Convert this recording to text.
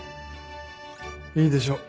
いいでしょう